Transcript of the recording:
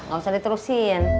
gak usah diterusin